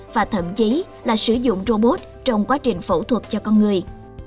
và thậm chí là sử dụng robot trong quá trình phẫu thuật cho con người